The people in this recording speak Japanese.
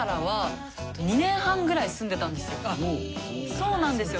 そうなんですよ。